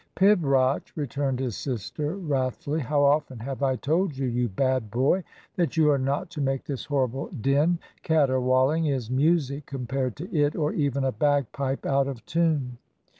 "Pibroch!" returned his sister, wrathfully. "How often have I told you, you bad boy, that you are not to make this horrible din. Caterwauling is music compared to it, or even a bagpipe out of tune."